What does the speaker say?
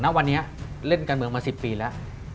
วันนี้เล่นการเมืองมา๑๐ปีแล้ว